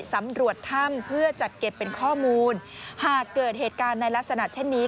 สำรวจถ้ำเพื่อจัดเก็บเป็นข้อมูลหากเกิดเหตุการณ์ในลักษณะเช่นนี้